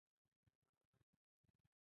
باور له منځه تللی، اصول کابو ورکېږي.